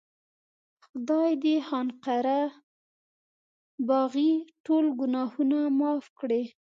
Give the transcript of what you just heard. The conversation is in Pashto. خدای دې خان قره باغي ټول ګناهونه معاف کړي.